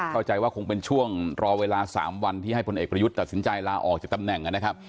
เข้าใจว่าคงเป็นช่วงรอเวลา๓วันที่ให้พลเอกประยุทธ์ตัดสินใจลาออกจากตำแหน่งนะครับ